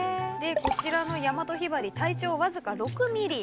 こちらのヤマトヒバリ体長わずか６ｍｍ。